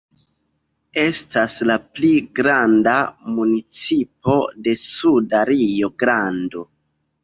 Estas la pli granda municipo de Suda Rio-Grando.